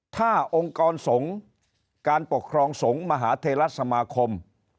ถ้าองค์กรสงฆ์การปกครองสงฆ์มหาเทลสมาคม